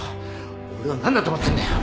俺を何だと思ってんだよ。